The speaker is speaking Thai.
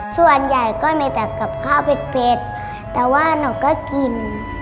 ส่วนใหญ่ก็มีแต่กับข้าวเป็ดแต่ว่าหนูก็กิน